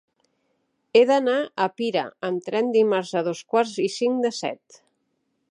He d'anar a Pira amb tren dimarts a dos quarts i cinc de set.